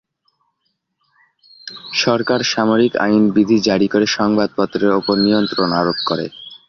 সরকার সামরিক আইন বিধি জারি করে সংবাদপত্রের ওপর নিয়ন্ত্রণ আরোপ করে।